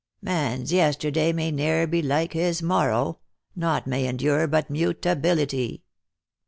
' Man's yesterday may ne'er be like his morrow ', Naught may endure but mutability.'